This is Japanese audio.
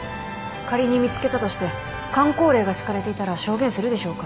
仮に見つけたとしてかん口令が敷かれていたら証言するでしょうか。